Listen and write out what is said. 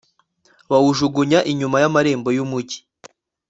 bawujugunya inyuma y'amarembo y'umugi